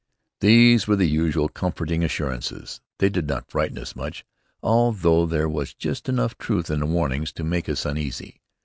These were the usual comforting assurances. They did not frighten us much, although there was just enough truth in the warnings to make us uneasy.